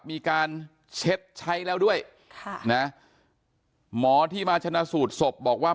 มีการเช็ดใช้แล้วด้วยค่ะนะหมอที่มาชนะสูตรศพบอกว่า